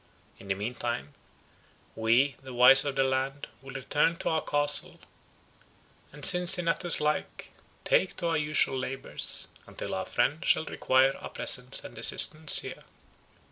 In the mean time, we, the wise of the land, will return to our Castle, and, Cincinnatus like, take to our usual labours, until our friend shall require our presence and assistance here."